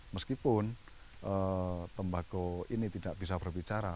meskipun tembakau ini tidak bisa berbicara